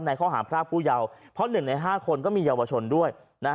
ข้อหาพรากผู้เยาว์เพราะ๑ใน๕คนก็มีเยาวชนด้วย